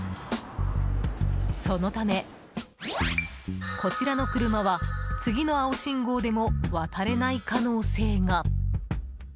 そのため、こちらの車は次の青信号でも渡れない可能性が。